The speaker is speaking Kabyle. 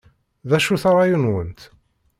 D acu-t ṛṛay-nwent?